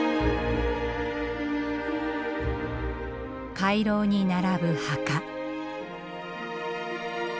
回廊に並ぶ墓。